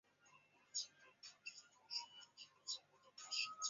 西藏亚菊为菊科亚菊属的植物。